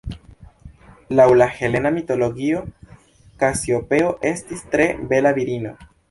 Laŭ la helena mitologio Kasiopeo estis tre bela virino.